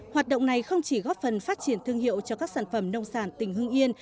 hoạt động này không chỉ góp phần phát triển thương hiệu cho các sản phẩm nông sản tỉnh hưng yên